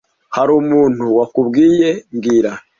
Hari umuntu wakubwiye mbwira